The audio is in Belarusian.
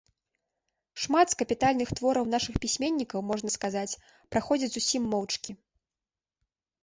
Шмат з капітальных твораў нашых пісьменнікаў, можна сказаць, праходзяць зусім моўчкі.